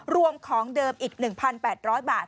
รวมของเดิมอีก๑๘๐๐บาท